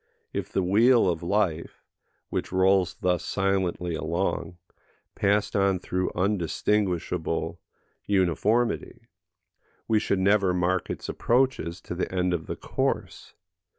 If the wheel of life, which rolls thus silently along, passed on through undistinguishable uniformity, we should never mark its approaches to the end of the course.